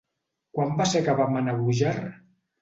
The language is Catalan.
Quan va ser que vam anar a Búger?